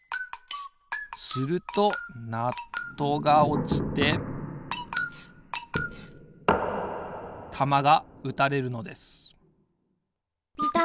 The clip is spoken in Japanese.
するとナットがおちてたまが打たれるのです